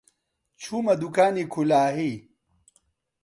چوومە دووکانی کولاهی